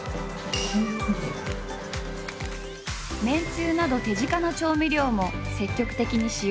めんつゆなど手近な調味料も積極的に使用。